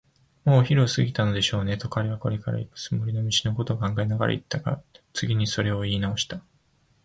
「もうお昼を過ぎたことでしょうね」と、彼はこれからいくつもりの道のことを考えながらいったが、次にそれをいいなおした。